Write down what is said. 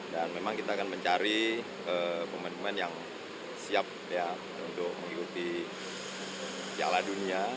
dan memang kita akan mencari pemain pemain yang siap untuk mengikuti jalan dunia